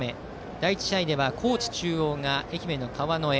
第１試合では高知中央が愛媛の川之江